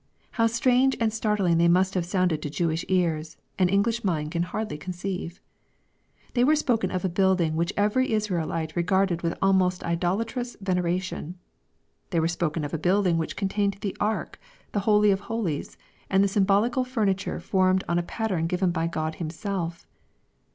How strange and startling they must have sounded to Jewish ears, an English mind can hardly conceive. Theyrwere spoken of a building which every Israelite regarded with almost idolatrous veneration. They were spoken of a building which contained the ark, the holy of holies, and the symbolical furniture formed on a pattern given by God Himself.